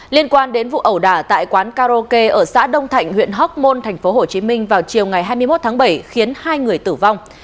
liên quan đến vụ ẩu đả tại quán karaoke ở xã đông thạnh huyện hóc môn tp hcm vào chiều ngày hai mươi một tháng bảy khiến hai người tử vong